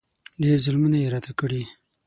ډېر ظلمونه یې راته کړي.